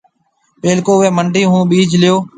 پيلڪو اُوئي منڊِي هون ٻِيج ليو۔